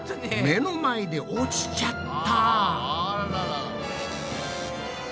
目の前で落ちちゃった。